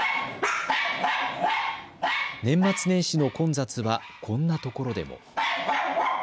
年末年始の混雑はこんな所でも。